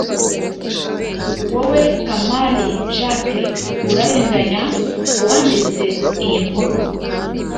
wowe Kamali Jacques urarenganya uwanditse iyi nkuru